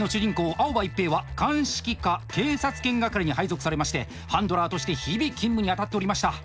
青葉一平は鑑識課警察犬係に配属されましてハンドラーとして日々勤務に当たっておりました。